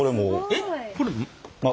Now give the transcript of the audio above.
えっこれも！？